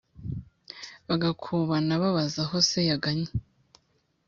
Bagakubana babaza aho se yagannye